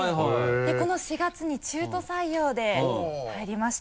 この４月に中途採用で入りました。